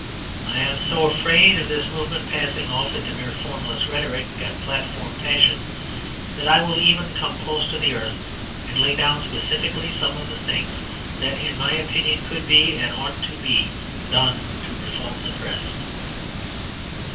I am so afraid of this movement passing off into mere formless rhetoric and platform passion that I will even come close to the earth and lay down specifically some of the things that, in my opinion, could be, and ought to be, done to reform the Press.